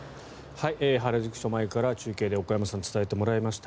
原宿署前から中継で小古山さんに伝えてもらいました。